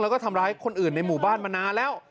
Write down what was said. แล้วก็ทำร้ายคนอื่นในหมู่บ้านมานานแล้ว